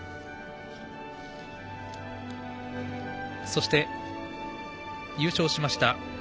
そして、優勝しました